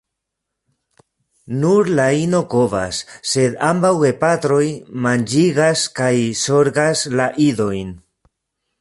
Nur la ino kovas, sed ambaŭ gepatroj manĝigas kaj zorgas la idojn.